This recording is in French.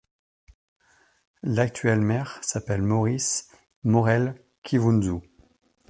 L'actuel maire s'appelle Maurice Maurel Kiwounzou.